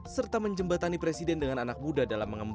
serta menjembatani presiden dengan anak muda dalam mengembangkan